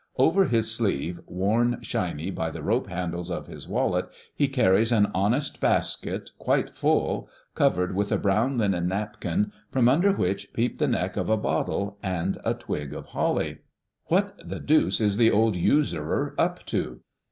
Over his sleeve, worn shiny by the rope handles of his wallet, he carries an honest basket, quite full, covered with a brown linen napkin, from under which peep the neck of a bottle and a twig of holly. What the deuce is the old usurer up to?